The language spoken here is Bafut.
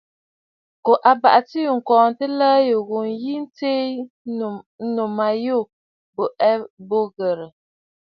Kǒ abàʼati yû ŋ̀kɔɔntə aləə̀ yo ghu, ǹyi tɨ yǐ zì ǹtsuu ànnù ma yû bǔ burə ghɨghɨ̀rə̀!